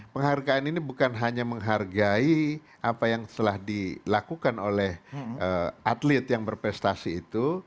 penghargaan ini bukan hanya menghargai apa yang telah dilakukan oleh atlet yang berprestasi itu